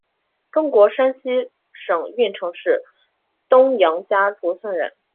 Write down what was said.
中国山西省运城市东杨家卓村人。